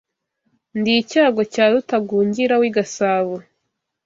Ndi icyago cya Rutagungira w,igasabo